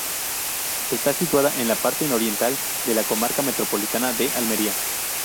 Está situada en la parte nororiental de la comarca Metropolitana de Almería.